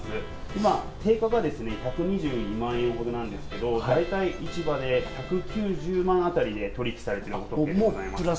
今、定価がですね、１２２万円ほどなんですけど、大体市場で１９０万あたりで取り引きされているところでございま